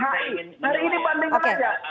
hari ini panding banget ya